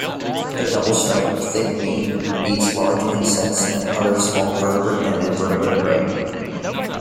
The double-striped thick-knee eats large insects and other small vertebrate and invertebrate prey.